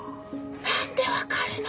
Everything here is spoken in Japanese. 何で分かるの？